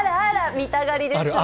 見たがりですね。